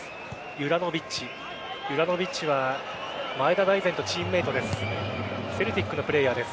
ユラノヴィッチは前田大然とチームメートです。